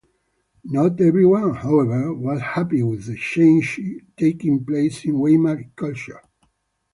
Not everyone, however, was happy with the changes taking place in Weimar culture.